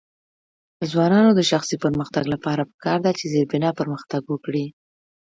د ځوانانو د شخصي پرمختګ لپاره پکار ده چې زیربنا پرمختګ ورکړي.